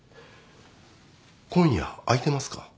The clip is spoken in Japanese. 今夜空いてますか？